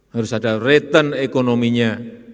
harus ada return ekonominya